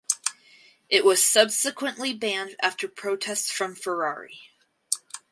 It was subsequently banned after protests from Ferrari.